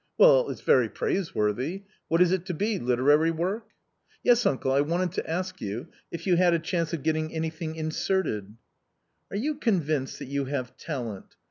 Well, it's very praiseworthy; what is it to be, literary work?" " Yes, uncle, I wanted to ask you, if you had a chance of getting anything inserted " "Are you convinced that you have talent?